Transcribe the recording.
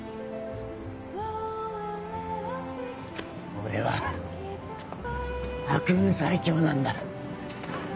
俺は悪運最強なんだ。